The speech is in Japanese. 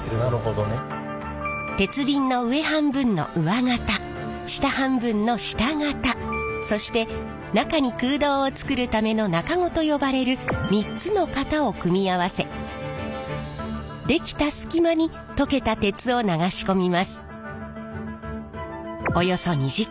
鉄瓶の上半分の上型下半分の下型そして中に空洞を作るための中子と呼ばれる３つの型を組み合わせできた隙間に溶けた鉄を流し込みます。